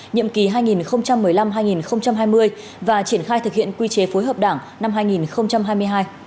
nhiệm kỳ hai nghìn một mươi năm hai nghìn hai mươi và triển khai thực hiện quy chế phối hợp đảng năm hai nghìn hai mươi hai